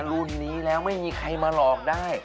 รุ่นนี้แล้วไม่มีใครมาหลอกได้